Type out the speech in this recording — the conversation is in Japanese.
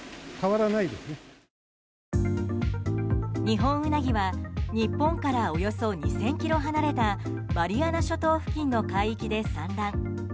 ニホンウナギは、日本からおよそ２０００ｋｍ離れたマリアナ諸島付近の海域で産卵。